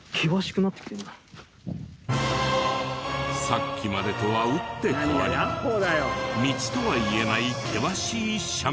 さっきまでとは打って変わり道とはいえない険しい斜面が。